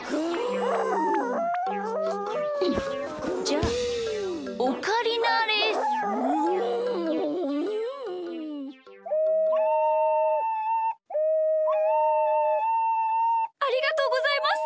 ありがとうございます！